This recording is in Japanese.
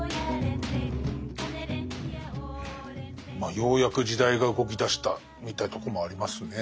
まあようやく時代が動きだしたみたいなとこもありますね。